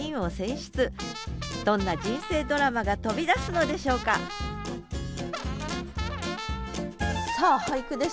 どんな人生ドラマが飛び出すのでしょうかさあ俳句です。